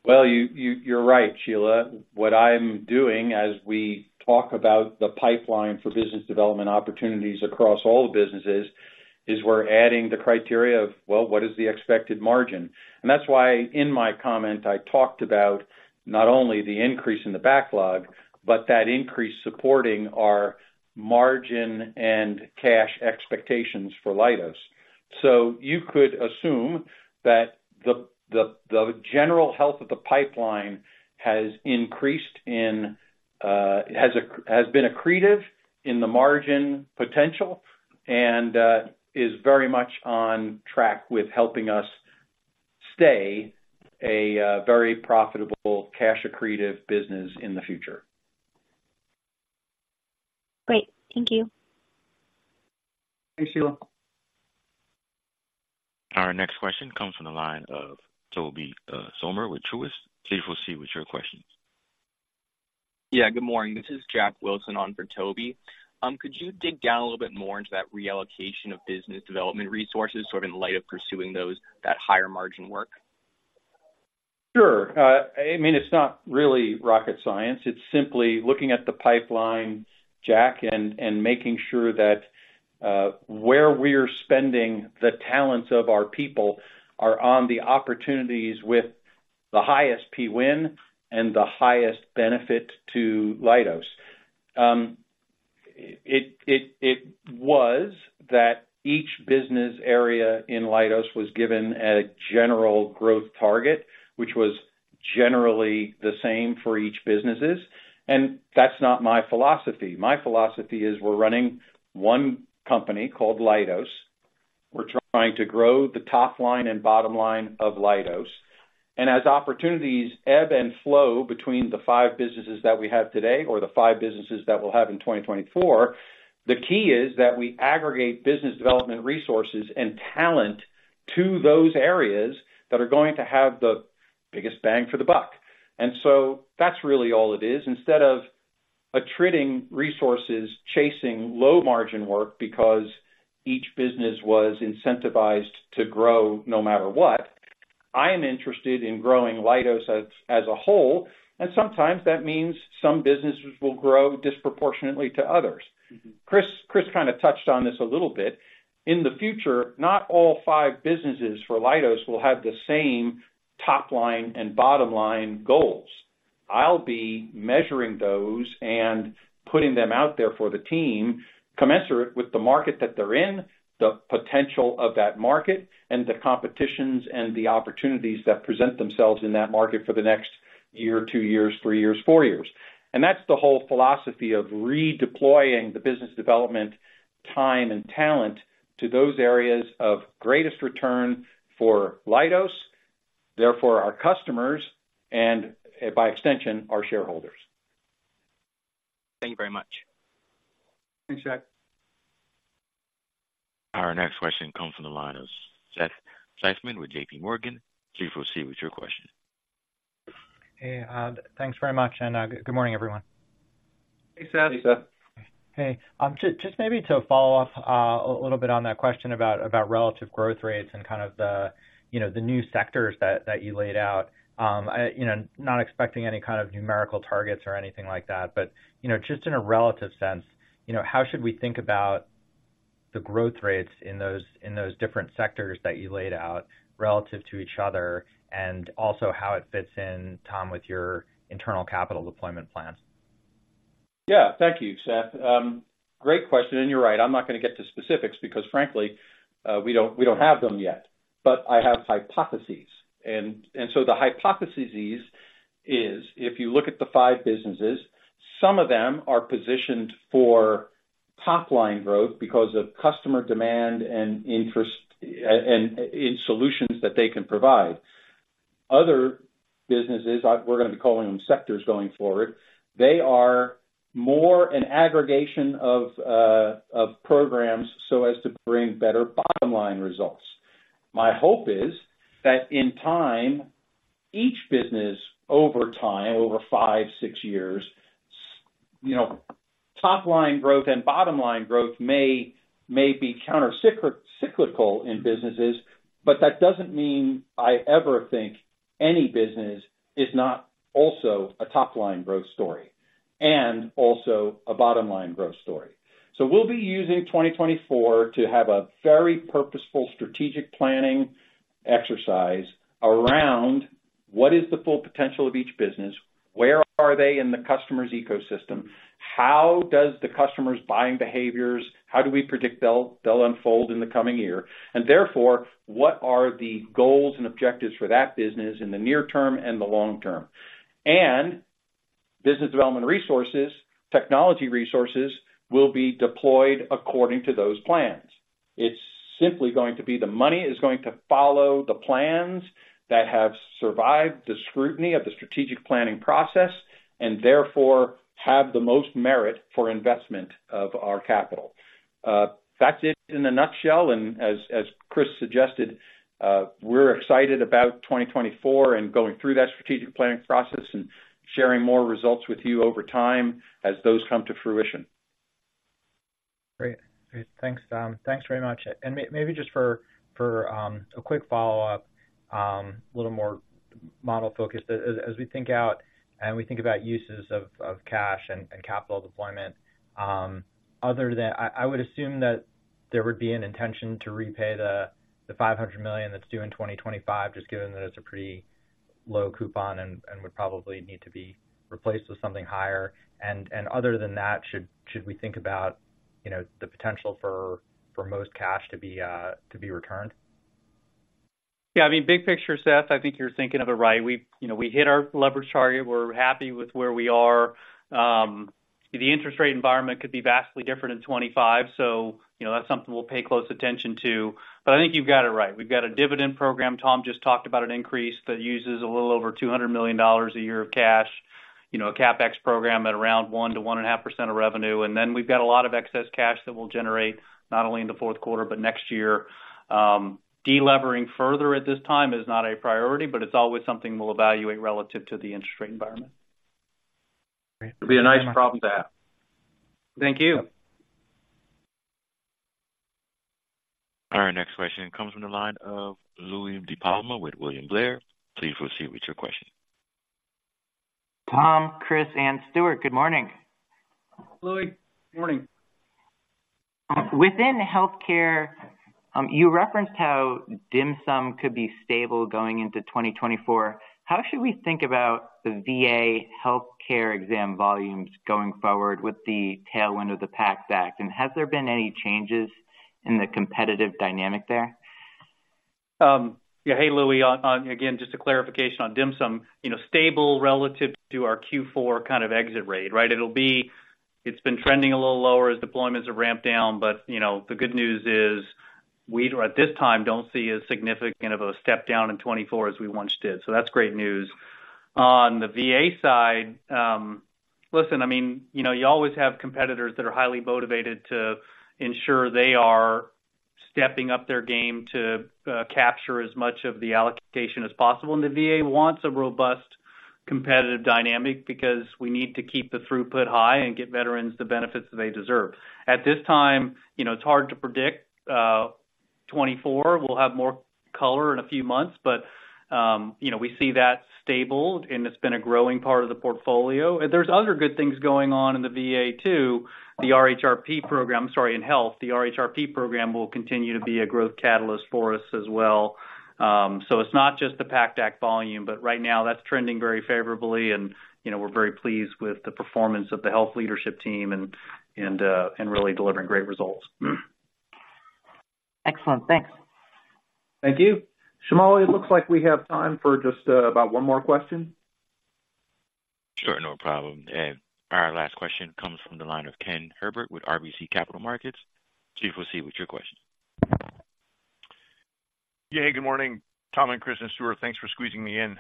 Well, you're right, Sheila. What I'm doing as we talk about the pipeline for business development opportunities across all the businesses, is we're adding the criteria of, well, what is the expected margin? And that's why, in my comment, I talked about not only the increase in the backlog, but that increase supporting our margin and cash expectations for Leidos. So you could assume that the general health of the pipeline has been accretive in the margin potential and is very much on track with helping us stay a very profitable cash accretive business in the future. Great. Thank you. Thanks, Sheila. Our next question comes from the line of Tobey Sommer with Truist. Please proceed with your questions. Yeah, good morning. This is Jack Wilson on for Tobey. Could you dig down a little bit more into that reallocation of business development resources, sort of in light of pursuing those, that higher margin work? Sure. I mean, it's not really rocket science. It's simply looking at the pipeline, Jack, and making sure that where we're spending the talents of our people are on the opportunities with the highest probability win and the highest benefit to Leidos. It was that each business area in Leidos was given a general growth target, which was generally the same for each businesses, and that's not my philosophy. My philosophy is we're running one company called Leidos. We're trying to grow the top line and bottom line of Leidos. As opportunities ebb and flow between the five businesses that we have today, or the five businesses that we'll have in 2024, the key is that we aggregate business development resources and talent to those areas that are going to have the biggest bang for the buck. And so that's really all it is. Instead of attriting resources, chasing low margin work because each business was incentivized to grow no matter what, I am interested in growing Leidos as, as a whole, and sometimes that means some businesses will grow disproportionately to others. Mm-hmm. Chris, Chris kind of touched on this a little bit. In the future, not all five businesses for Leidos will have the same top line and bottom line goals. I'll be measuring those and putting them out there for the team, commensurate with the market that they're in, the potential of that market, and the competitions and the opportunities that present themselves in that market for the next year, two years, three years, four years. And that's the whole philosophy of redeploying the business development time and talent to those areas of greatest return for Leidos, therefore our customers, and by extension, our shareholders. Thank you very much. Thanks, Jack. Our next question comes from the line of Seth Seifman with JP Morgan. Please proceed with your question. Hey, thanks very much, and good morning, everyone. Hey, Seth. Hey, Seth. Hey, just maybe to follow up a little bit on that question about relative growth rates and kind of the, you know, the new sectors that you laid out. You know, not expecting any kind of numerical targets or anything like that, but, you know, just in a relative sense, you know, how should we think about the growth rates in those different sectors that you laid out relative to each other, and also how it fits in, Tom, with your internal capital deployment plan? Yeah, thank you, Seth. Great question, and you're right, I'm not gonna get to specifics because, frankly, we don't have them yet, but I have hypotheses. And so the hypotheses is, if you look at the five businesses, some of them are positioned for top line growth because of customer demand and interest, and in solutions that they can provide. Other businesses, we're gonna be calling them sectors going forward, they are more an aggregation of programs so as to bring better bottom line results. My hope is that in time, each business, over time, over five, six years, you know, top line growth and bottom line growth may be cyclical in businesses, but that doesn't mean I ever think any business is not also a top line growth story, and also a bottom line growth story. So we'll be using 2024 to have a very purposeful strategic planning exercise around what is the full potential of each business? Where are they in the customer's ecosystem? How does the customer's buying behaviors, how do we predict they'll unfold in the coming year? And therefore, what are the goals and objectives for that business in the near term and the long term? And business development resources, technology resources, will be deployed according to those plans. It's simply going to be the money is going to follow the plans that have survived the scrutiny of the strategic planning process, and therefore have the most merit for investment of our capital. That's it in a nutshell, and as Chris suggested, we're excited about 2024 and going through that strategic planning process and sharing more results with you over time as those come to fruition. Great. Great. Thanks, Tom. Thanks very much. And maybe just for a quick follow-up, a little more model focused. As we think out and we think about uses of cash and capital deployment, other than... I would assume that there would be an intention to repay the $500 million that's due in 2025, just given that it's a pretty low coupon and would probably need to be replaced with something higher. And other than that, should we think about, you know, the potential for most cash to be returned? Yeah, I mean, big picture, Seth, I think you're thinking of it right. We, you know, we hit our leverage target. We're happy with where we are. The interest rate environment could be vastly different in 2025, so, you know, that's something we'll pay close attention to. But I think you've got it right. We've got a dividend program. Tom just talked about an increase that uses a little over $200 million a year of cash, you know, a CapEx program at around 1%-1.5% of revenue. And then we've got a lot of excess cash that we'll generate, not only in the fourth quarter, but next year. De-levering further at this time is not a priority, but it's always something we'll evaluate relative to the interest rate environment. Great. It'll be a nice problem to have. Thank you. All right, next question comes from the line of Louie DiPalma with William Blair. Please proceed with your question. Tom, Chris, and Stuart, good morning. Louis, good morning. Within healthcare, you referenced how DHMSM could be stable going into 2024. How should we think about the VA healthcare exam volumes going forward with the tailwind of the PACT Act? And has there been any changes in the competitive dynamic there? Yeah. Hey, Louis. On again, just a clarification on DHMSM. You know, stable relative to our Q4 kind of exit rate, right? It'll be... It's been trending a little lower as deployments have ramped down, but, you know, the good news is, we, at this time, don't see as significant of a step down in 2024 as we once did. So that's great news. On the VA side, listen, I mean, you know, you always have competitors that are highly motivated to ensure they are stepping up their game to capture as much of the allocation as possible. And the VA wants a robust competitive dynamic because we need to keep the throughput high and get veterans the benefits they deserve. At this time, you know, it's hard to predict 2024. We'll have more color in a few months, but you know, we see that stable, and it's been a growing part of the portfolio. And there's other good things going on in the VA, too. The RHRP program... Sorry, in health, the RHRP program will continue to be a growth catalyst for us as well. So it's not just the PACT Act volume, but right now that's trending very favorably, and you know, we're very pleased with the performance of the health leadership team and really delivering great results. Excellent. Thanks. Thank you. Shamali, it looks like we have time for just, about one more question. Sure, no problem. And our last question comes from the line of Ken Herbert with RBC Capital Markets. Please proceed with your question. Yeah, good morning, Tom and Chris and Stuart. Thanks for squeezing me in.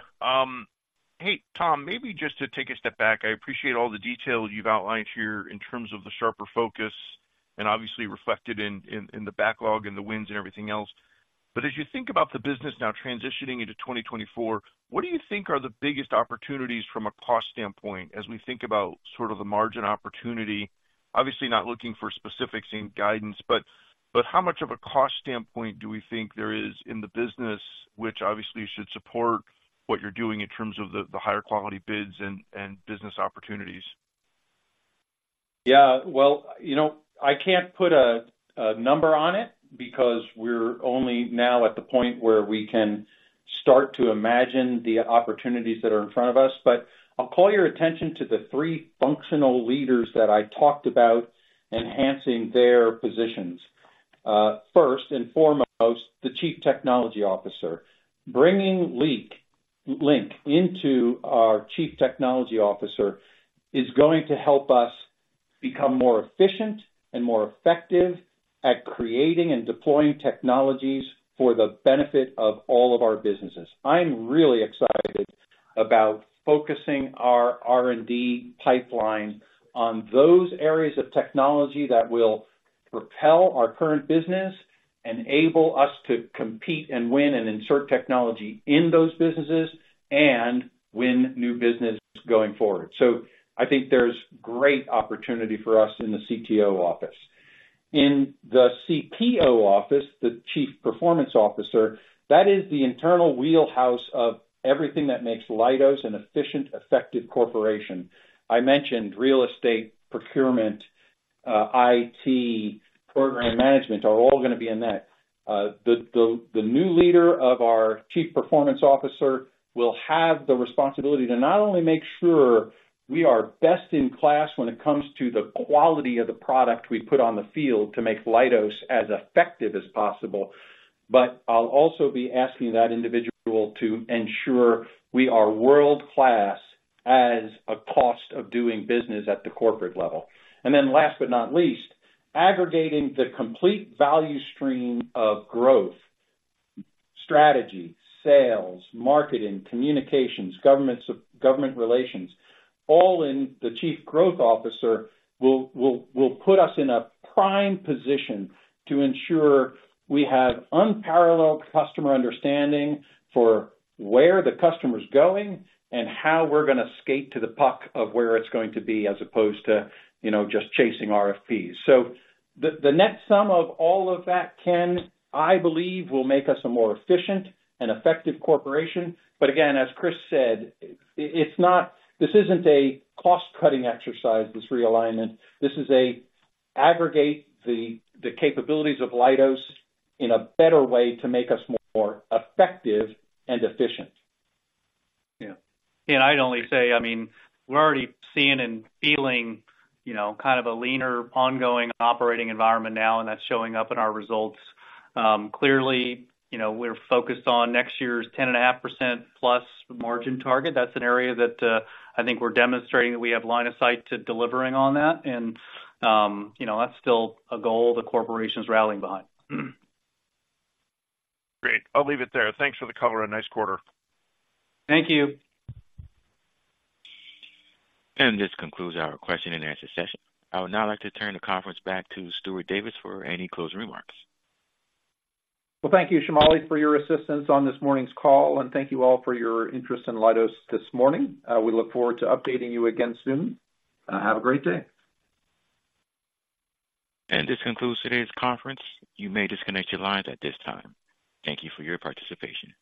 Hey, Tom, maybe just to take a step back, I appreciate all the details you've outlined here in terms of the sharper focus and obviously reflected in, in, in the backlog and the wins and everything else. But as you think about the business now transitioning into 2024, what do you think are the biggest opportunities from a cost standpoint as we think about sort of the margin opportunity? Obviously, not looking for specifics in guidance, but, but how much of a cost standpoint do we think there is in the business, which obviously should support what you're doing in terms of the, the higher quality bids and, and business opportunities? Yeah, well, you know, I can't put a number on it because we're only now at the point where we can start to imagine the opportunities that are in front of us. But I'll call your attention to the three functional leaders that I talked about enhancing their positions. First and foremost, the Chief Technology Officer. Bringing LInC into our Chief Technology Officer is going to help us become more efficient and more effective at creating and deploying technologies for the benefit of all of our businesses. I'm really excited about focusing our R&D pipeline on those areas of technology that will propel our current business, enable us to compete and win and insert technology in those businesses, and win new business going forward. So I think there's great opportunity for us in the CTO office. In the CPO office, the Chief Performance Officer, that is the internal wheelhouse of everything that makes Leidos an efficient, effective corporation. I mentioned real estate, procurement, IT, program management, are all gonna be in that. The new leader of our Chief Performance Officer will have the responsibility to not only make sure we are best in class when it comes to the quality of the product we put on the field to make Leidos as effective as possible, but I'll also be asking that individual to ensure we are world-class as a cost of doing business at the corporate level. And then last but not least, aggregating the complete value stream of growth, strategy, sales, marketing, communications, government relations, all in the Chief Growth Officer, will put us in a prime position to ensure we have unparalleled customer understanding for where the customer's going and how we're gonna skate to the puck of where it's going to be, as opposed to, you know, just chasing RFPs. So the net sum of all of that, Ken, I believe, will make us a more efficient and effective corporation. But again, as Chris said, it's not, this isn't a cost-cutting exercise, this realignment. This is to aggregate the capabilities of Leidos in a better way to make us more effective and efficient. Yeah. I'd only say, I mean, we're already seeing and feeling, you know, kind of a leaner, ongoing operating environment now, and that's showing up in our results. Clearly, you know, we're focused on next year's 10.5%+ margin target. That's an area that, I think we're demonstrating that we have line of sight to delivering on that. And, you know, that's still a goal the corporation's rallying behind. Great. I'll leave it there. Thanks for the color, and nice quarter. Thank you. This concludes our question and answer session. I would now like to turn the conference back to Stuart Davis for any closing remarks. Well, thank you, Shamali, for your assistance on this morning's call, and thank you all for your interest in Leidos this morning. We look forward to updating you again soon. Have a great day. This concludes today's conference. You may disconnect your lines at this time. Thank you for your participation.